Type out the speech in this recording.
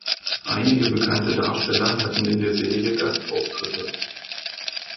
Einige bekannte Darsteller hatten in der Serie Gastauftritte.